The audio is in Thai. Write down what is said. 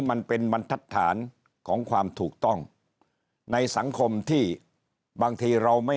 บรรทัศนของความถูกต้องในสังคมที่บางทีเราไม่